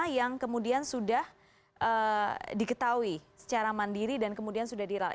satu ratus lima yang kemudian sudah diketahui secara mandiri dan kemudian sudah diralih